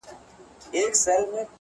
اوس مي د كلي ماسومان ځوروي-